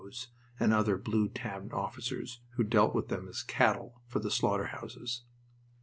's, and other blue tabbed officers who dealt with them as cattle for the slaughterhouses.